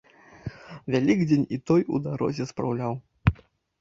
Вялікдзень і той у дарозе спраўляў.